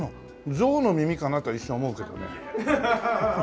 象の耳かなと一瞬思うけどね。